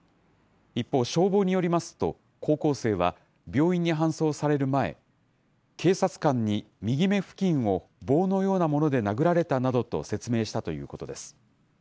一方、消防によりますと、高校生は病院に搬送される前、警察官に右目付近を棒のようなもので殴られたなどと説明したということです。